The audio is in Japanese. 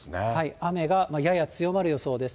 雨がやや強まる予想です。